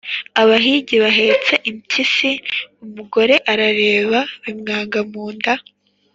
abahigi bahetse impyisi. Umugore arareba, bimwanga mu nda